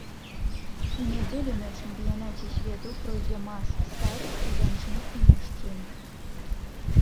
У нядзелю на чэмпіянаце свету пройдзе мас-старт у жанчын і мужчын.